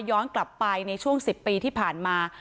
ย้อนกลับไปในช่วง๑๐ปีที่ผ่านมา